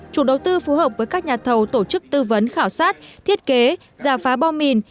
chủ đầu tư phù hợp với các nhà thầu tổ chức tư vấn khảo sát thiết kế giả phá bom mìn